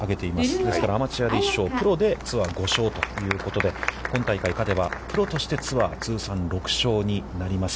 ですからアマチュアで１勝、プロでツアー５勝ということで、今大会勝てばプロとしてツアー通算６勝になります。